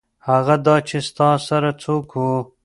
هغه دا چې ستا سره څوک وو.